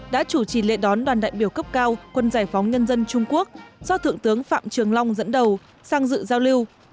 đã chủ trì lệ đón đoàn đại biểu cấp cao quân giải phóng nhân dân trung quốc do thượng tướng phạm trường long dẫn đầu sang dự giao lưu